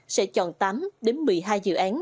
sẽ chọn tám đến một mươi hai dự án